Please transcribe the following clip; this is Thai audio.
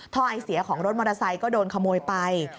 ไอเสียของรถมอเตอร์ไซค์ก็โดนขโมยไป